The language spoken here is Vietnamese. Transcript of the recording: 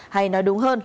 hay nói đúng hơn